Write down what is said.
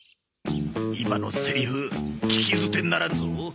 今のセリフ聞き捨てならんぞ。